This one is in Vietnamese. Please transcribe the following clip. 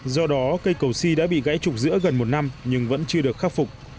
do đó cây cầu si đã bị gãy trục giữa gần một năm nhưng vẫn chưa được khắc phục